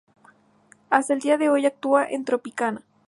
Hasta el día de hoy actúa en Tropicana.